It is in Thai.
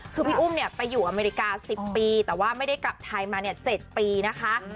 คือพี่อุ้มเนี่ยไปอยู่อเมริกา๑๐ปีแต่ว่าไม่ได้กลับไทยมา๗ปีนะคะ